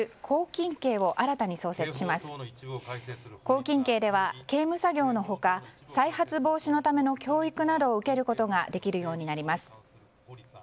拘禁刑では刑務作業の他再発防止のための教育などを受けることができるようになります。